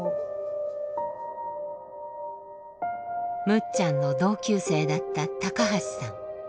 むっちゃんの同級生だった橋さん。